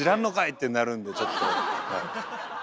ってなるんでちょっとはい。